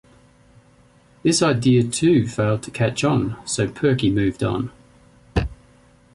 This idea too failed to catch on, so Perky moved on.